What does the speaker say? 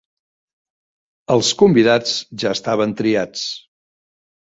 Els convidats ja estaven triats.